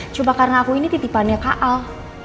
cuma karena aku ini titipannya kak al